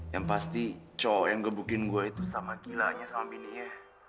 yang pasti co yang gebukin gue itu sama gilanya sama mininya